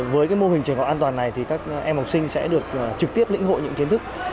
với mô hình trường học an toàn này thì các em học sinh sẽ được trực tiếp lĩnh hội những kiến thức